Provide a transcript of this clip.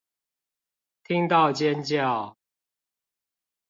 聽到尖叫